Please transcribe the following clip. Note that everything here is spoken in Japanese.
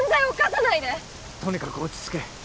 とにかく落ち着け。